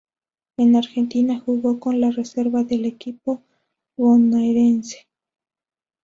En Argentina, jugó con la reserva del equipo bonaerense.